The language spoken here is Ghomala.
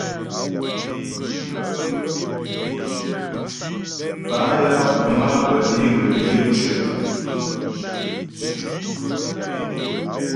Bâ ya guŋ á bə́ é ghə yə̌ cwəp.